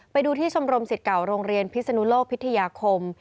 ไปดูที่ชมรมสิทธิ์เก่าโรงเรียนพิศนุโลกพิทยาคม